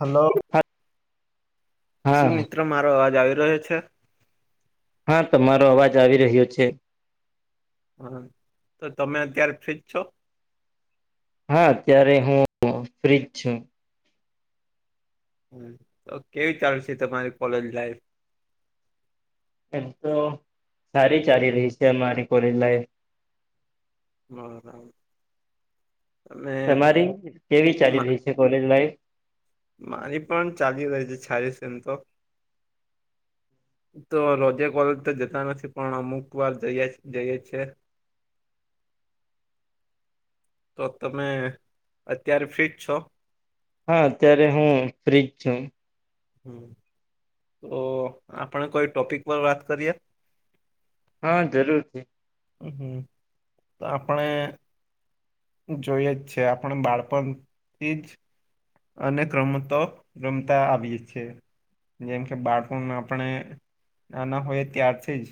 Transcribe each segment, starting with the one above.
Hello હા શું હા મિત્ર મારો અવાજ આવી રહ્યો છે. હા તમારો અવાજ આવી રહ્યો છે. હમ તો તમે અત્યારે ફ્રીજ છો હા અત્યારે હું ફ્રીજ છું. હ તો કેવી ચાલશે તમારી કોલેજ લાઈફ એમ તો સારી ચાલી રહી છે અમારી કોલેજ લાઈફ. બરાબ [inaudible] તમારી કેવી ચાલી રહી છે કોલેજ લાઈફ.? મારી પણ ચાલી રહી છે છાલીસ એમ તો. તો રોજે કોલેજ તો જતા નથી પણ અમુક વાર જઈ જઈએી. તો તમે અત્યારે ફ્ર્રીજ છો હા અત્યારે હું ફ્રીજ છું. હમ તો આપણે કોઈ ટોપિક પર વાત કરીએ હા જરૂર છે. હ હમ તો આપણે જોઈએ જ છે આપણે બાળપણથી જ અને રમતો રમતા આવી છે. જેમ કે બાળ આપણે નાના હોઈએ ત્યારથી જ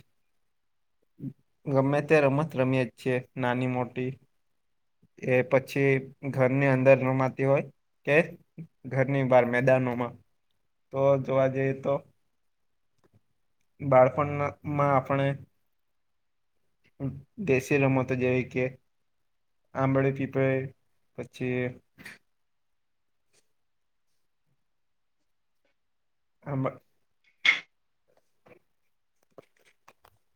ગમે તે રમત રમીય જ છીએ નાની મોટી. એ પછી ઘરની અંદર રોમાતી હોય કે? ઘરની બહાર મેદાનોમાં તો જોવા જઈએ તો બાળપણ માં આપણે દેશી ર મત જેવી કે આંબળે પીપળે પછી આમાં [inaudible]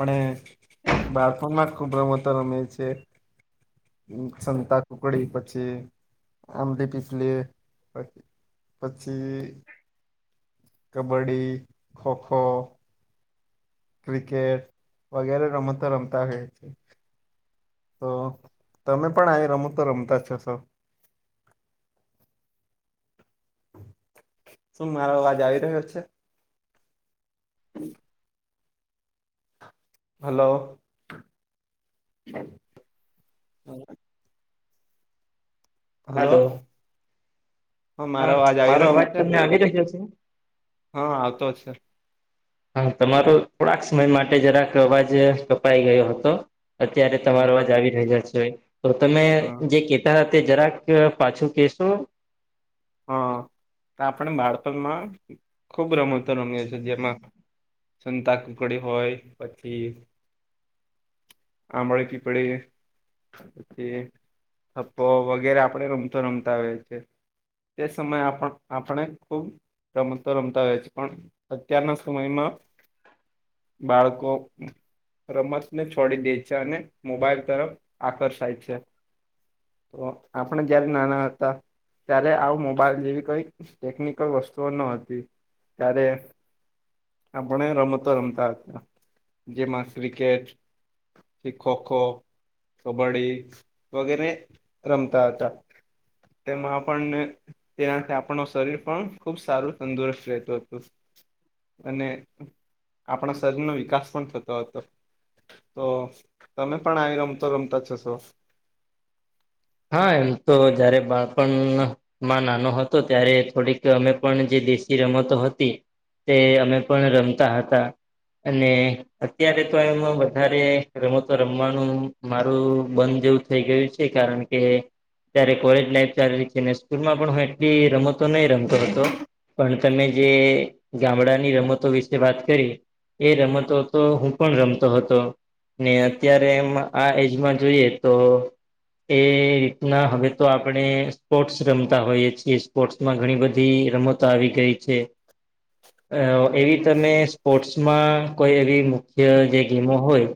અને બાળપણમાં ખૂબ રમતો રમે છે. સંતા કુકડી પછી આંબલી પીપલી પછી પછી કબડ્ડી, ખોખો ક્રિકેટ વગેરે રમતો રમતા હોય છે. તો તમે પણ આ રમો તો રમતા જ છો? શું મારો અવાજ આવી રહ્યો છે? હમ [unintelligible] હલો! હલો! મારો હા અવાજ આવી મારો રહ્યો અવાજ છે તમને આવી રયો છે.? હા આવતો છે. હા તમારો થોડાક સમય માટે જરાક અવાજ કપાઈ ગયો હતો. અત્યારે હા તમારોવા જ આવી રહ્યા છે તો તમે જે કે તે જરાક પાછું કેહેશો? હા આપણે બાળપણમાં ખુબ રમતો રમીએીએ જેમાં સંતા કુકડી હોય પછી આંબળ કી પીપડી પછી થપ્પો વગેરે આપડે રમતો રમતા હોય છે. તે સમયે આપ આપણે ખૂબ રમત તો રમતા હોય છે પણ અત્યારના સમયમાં બાળકો રમત ને છોડી દે છે અને મોબાઈલ તરફ આકર્ષાય છે. તો આપણે જયારે નાના હતા, ત્યારે આવ મોબાઈલ જેવી કઈ ટેકનિકલ વસ્તુઓ ન હતી. ત્યારે આપણે રમતો રમતા હતા જેમાં ક્રિકેટ, પછી ખોખો, કબડ્ડી વગેરે રમતા હતા તેમાં તેનાથી આપ શરીર પણ ખુબ સારું તંદુરસ્ત રહેતું હતું. અને આપણા શરીરનોો વિકાસ પણ થતો હતો. તો તમે પણ આવી રમતો રમતા જશો. હા એમ તો જયારે બાળપણ માં નાનો હતો ત્યારે થોડીક અમે પણ જે દેશી રમતો હતી. તે અમે પણ રમતા હતા અને અત્યારે તો એમાં વધારે રમતો રમવાનું મારું બંધ જેવું થઈ ગયું છે કારણ કે કે ત્યારે કોલેજ લાઈફ ચાલી રહી છે સ્કૂલમાં પણ હ એટલી રમતો નહી રમતો હતો. પણ તમે જે ગામડાની રમતો વિશે વાત કરી. એ રમતો હતો હું પણ રમતો હતો. ને અત્યારે એમ આ એજમાં જોઈએ તો. એ રીતના હવે તો આપણે સ્પોર્ટ્સ રમતા હોઈએ છીએ સ્પોર્ટ્સમાં ઘણી બધી રમત આવી ગઈ છે. [inaudible] અ એવી તમે સ્પોર્ટ્સમાં કોઈ એવી મુખ્ય જે ગેમો હોય.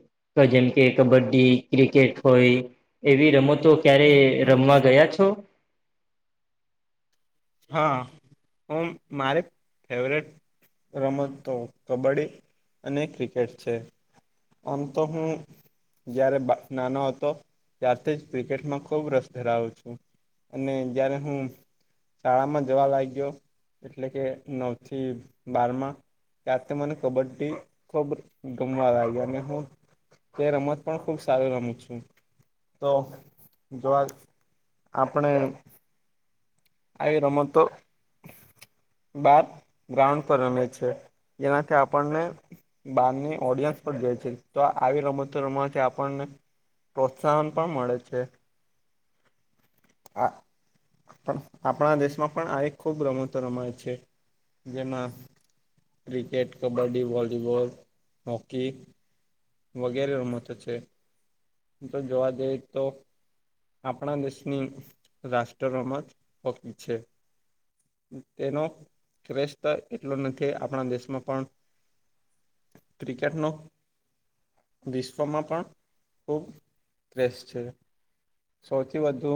જેમ કે કબડ્ડી ક્રિકેટ હોય એવી રમત. ક્યારે રમવા ગયા છો. હા હ મારે ફવટ. રમતો કબડ્ડી અને ક્રિકેટ છે. અમંત હું. જયારે નાનો હતો ત્યારથી જ ક્રિકેટમાં ખુબ રસ ધરાવું છું. અને જયારે હું. શાળામાં જવા લાગ્યો એટલે કે નવ થી બાર માં. તારથી મને કબડ્ડી ખૂબ ગમવા લાગી અને હું. તે રમત પણ ખુબ સારી રમત છું તો જોવા. આપણે. આરામ. બાર ગ્રઉન્ડ પર રમે છે જેનાથી આપણને. બારની ઓડિયન્સ પણ જાય છે તો આવી રમતો રમ આપણને. પ્રોત્સાહન પણ મળે છે આ પણ. આપણા દેશમાં પણ આ ખૂબ રમતો રમાય છે જેમાં. Cricket kabaddi volleyball hockey. વગેરે ઉ મત છે. જો જોવા જઈએ તો આપણા દેશની રાષ્ટ્ર રમત. હકી છે. તેનો શ્રેસ્ એટલો નથી આપણા દેશમાં પણ. ક્રિકેટ નો. વિશ્વમાં પણ ખૂબ ત્રેસ છે. સૌથી વધુ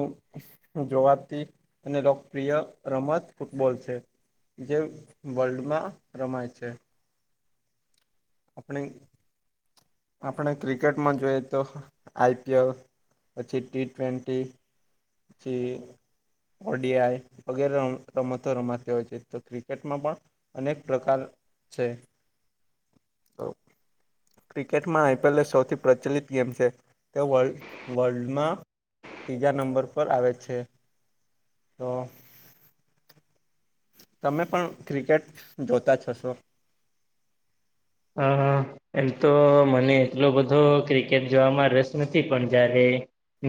જોવાથી. અને લોકપ્રિય રમત ફૂટબોલ છે. જે વર્લ્ડમાં રમાય છે. આપણે. આપણે ક્રિકેટમાં જોઈએ તો આઈપીએલ. પછી ટી ટ્વેન્ટી પછી. ઓડીઆઈ વગેરે રમતો રમાતી હોય છે તો ક્રિકેટમાં પણ અનેક પ્રકાર. છે. ક્રિકેટમાં આઈપીએલ એ સૌથી પ્રચલિત ગેમ છે તે વર્ વર્લ્ડમાં. ત્રીજા નંબર પર આવે છે. તો તમે પણ ક્રિકેટ જોતા જશો. હ હા. એમ તો મને એટલો બધો ક્રિકેટ જોવામાં રસ નથી પણ જયારે.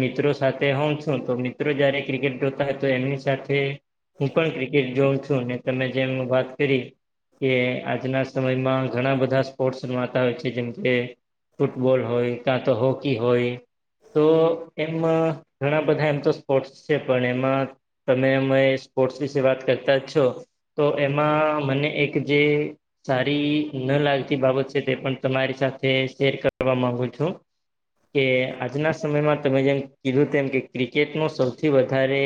મિત્રો સાથે હ છું તો મિત્રો જયારે ક્રિકેટ જોતા હોય તો એમની સાથે. હું પણ ક્રિકેટ જોઉં છું અને તમે જેમ વાત કરી. કે આજના સમયમાં ઘણા બધ બધા સ્પોર્ટ્સ રમાતા હોય છે, જેમકે ફૂટબોલ હોય, ક્યાં તો હોકી હોય. તો એમ ઘણા બધા એમ તો સ્પોર્ટ્સ છે પણ એમાં. તમે અમે સ્પોર્ટ્સ વિશે વાત કરતા જ છો. તો એમાં મને એક જે સારી ન લાગે બાબ છે તે પણ તમારી સાથે શેર કરવા ગુ છો કે આજના સમયમાં તમે જેમ કીધું તેમમ કે ક્રિકેટ ન સૌથી વધારે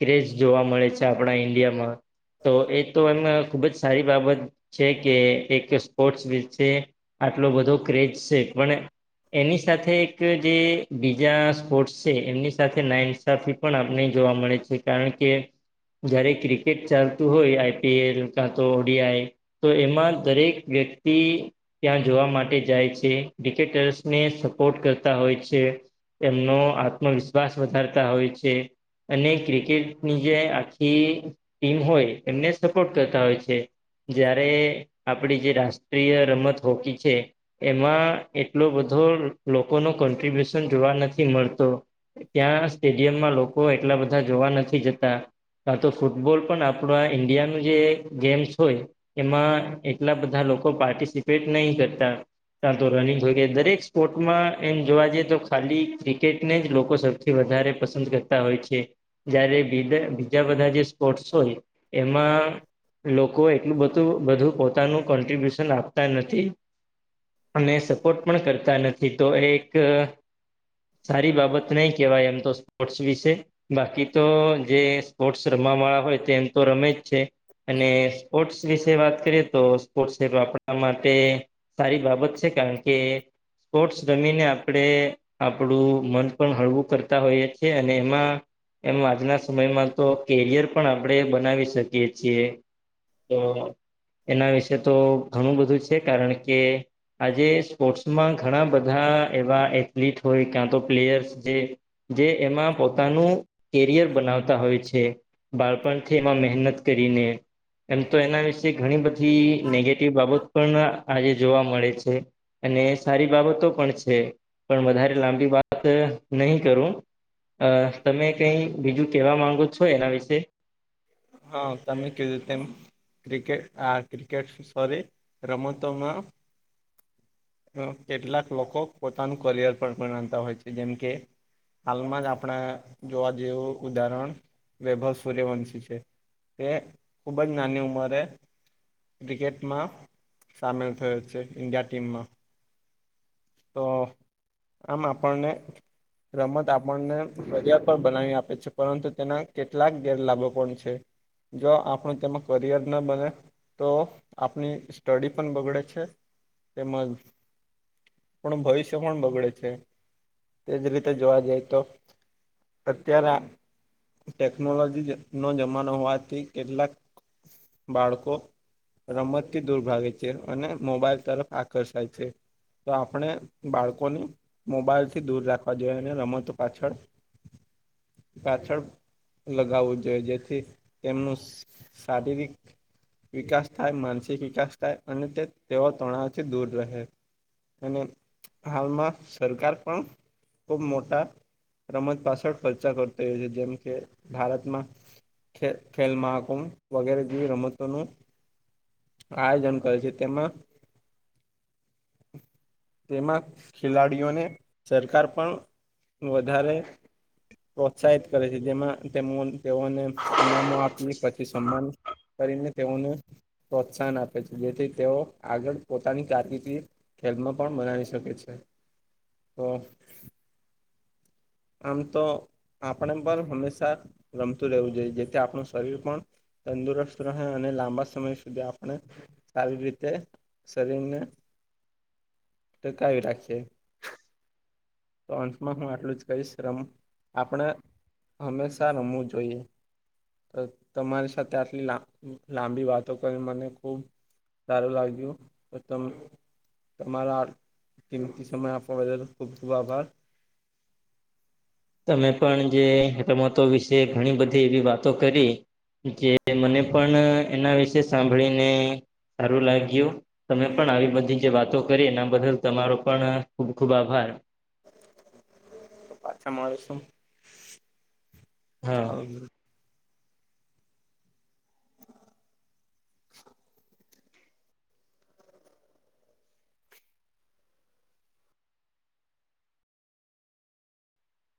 ક્રેઝ જોવા મળે છે આપણા ઈન્ડિયામાં તો એ તો એમ ખુબ જ સારી બાબત છે કે એક સ્પોર્ટ્સ આટલો બધો ક્રેજ છે પણ એની સાથે એક જે બીજા સ્પોર્ટ્સ છે એમની સાથે નાઇન ટાફિક પણ આપને જોવા મળે છે કારણ કે જયારે ક્રિકેટ ચાલતું હોય આઈ પી એલ કા તો ઓ ડી આઈ તો એમાં દરેક વ્યક્ત તી ત્યાં જોવા માટે જાય છે, ડીકેટર્સને સપોર્ટ કરતા હોય છે. એમનો આત્મવિશ્વાસ વધારતા હોય છે. અને ક્રિકેટની જે આખી ટીમ હોય, એમને સપોર્ટ કરતા હોય છે. જયારે આપડી જે રાષ્ટ્રીય રમત હોકી છે. એમાં એટલો બધો લોકોનો કોન્ટ્રિબ્યુશન જોવા નથી મળતો. ત્યાં સ્ટેડિયમમાં લોકો એટલા બધા જોવા નથી જતા. કા તો ફૂટબોલ પણ આપણા ઈન્ડિયાનું જે ગેમ્સસ હોય એમાં એટલા બધા લોકો પાર્ટિસિપેટ નહી કરતા. ત્યા તો રનિંગ હોઈ ગઈ, દરેક સ્પોર્ટમાં એમ જોવા જઈએ તો ખાલી ક્રિકેટને જ લોકો સ થી વધારે પસંદ કરતા હોય છે. જયારે બિધ બીજા બધા જે સ્પોર્ટ્સ હોય એમાં લોકો એટલું બતૂ બધું પોતાનું કોન્ટ્રિબ્યુશન આપતા નથી અને સપોર્ટ પણ કરતા નથી તો એક સારી બાબત નહી કહેવાય એમ તો સ્પોર્ટ્સ વિશે. બાકી તો જે સ્પોર્ટ્સ રમવા વાળા હોય તેમ તો રમેજ છે. અને સ્પોર્ટ્સ વિશે વાત કરીએ તો સ્પોર્ટસ તોવો આપણા માટે સારી બાબત છે કારણ કે કોટસ રમીને આપણે આપણું મન પણ હળવું કરતા હોઈએ છીએ, અને એમાં એમ આજના સમયમાં તો કેરિયર પણ આપણે બનાવી શકીએ છીએ તો એના વિશે તો ઘણું બધું છે, કારણ કે આજે સ્પોર્ટ્સમાં ઘણા બધા એવા એથલીટ હોય ક્યાં તો પ્લેયર્સ જે જે એમાં પોતાનું કેરિયર બનાવતા હોય છે. બાળપણથી એમાં મહેનત કરીને, એમ તો એના વિશે ઘણી બધી નેગેટિવ બાબત પણ આજે જોવા મળે છે. અને સારી બાબતો પણ છે, પણ વધારે લાંબી વાત નહી કરું. અ તમે કઈ બીજું કેવા માંગો છો એના વિશે? હા તમે કીધું તેમ ક્રિકેટ આ ક્રિકેટ શોરી રમતોમાં અ કેટલાક લોકો પોતાનું કરિયર પણ ગણતા હોય છે જેમ કે હાલમાંજ આપણે જોવા જેવું ઉદાહરણ વૈભવ સૂર્યવંશી છે. તે ખુબ જ નાની ઉંમરે ક્રિકેટમાં સામેલ થયો છે, ઈન્ડિયા ટીમમાં. તો આમ આપણને રમત આપણને ફરિયાદ પર બનાવી આપે છે, પરંતુ તેના કેટલાક ગેરલાભો પણ છે. તે જો આપણો તેમાં કરિયર ના બને તો આપની સ્ટડી પણ બગડે છે, તેમજ પણ ભવિષ્ય પણ બગડે છે, તેજ રીતે જોવા જાય તો અત્યારે આ ટેકનોલોજી નો જમા હોવાથી કેટલાક બાળકો રમતથી દૂર ભાગે છે, અને મોબાઈલ તરફ આકર્ષાય છે. તો આપણે બાળકોની મોબાઈલ થી દૂર રાખવા જોઈયે, અને રમતો પાછળ પાછળ લગાવવું જોઈએ, જેથી તેમનું સ શારીરિક વિકાસ થાય માનસિક વિકાસ થાય અને તે તેવા તણાવથી દૂર રહે અને હાલમાં સરકાર પણ ખુબ મોટા રમત પાછળ ખર્ચા કરતો હોય છે, જેમ કે ભારતમાં ખે ખેલ મહાકુંભ વગેરે જેવી રમતોનું આયોજન કરે છે, તેમાં તેમાં ખેલાડીઓને સરકાર પણ વધારે પ્રોત્સાહિત કરે છે, જેમાં તેમ તેઓને નામો આપી પછી સન્માન કરીને તેઓને પ્રોત્સાહન આપે છે, જેથી તેઓ આગળ પોતાની કાતિથી ખેલમાં પણ બનાવી શકે છે, તો આમ તો આપણે પણ હંમેશા રમતું રહેવું જોઈએ જેથી આપણું શરીર પણ તંદુરસ્ત રહે અને લાંબા સમય સુધી આપણે આવી રીતે શરીરને ટકાવી રાખીએ [inaudible] તો અંતમાં હું આટલું જ કહીશ રમ આપણે હંમેશા રમવું જોઈએ તો તમારી સાથે આટલીા લાંબી વાતો કરી મને ખૂબ સારું લાગજ્યું તમ તમારા કિંમતી સમય આપવા બદલ ખુબ ખુબ આભાર તમે પણ જે રમતો વિશે ઘણી બધી એવી વાતો કરી જે મને પણ એના વિશે સાંભળીને સારું લાગ્યું તમે પણ આવી બધી જે વાતો કરી એના બદલ તમારો પણ ખૂબ ખુબ આભાર પાછા મારે શું હા ચાલ [inaudible]